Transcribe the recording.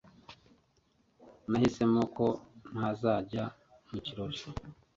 Nahisemo ko ntazajya mu kirori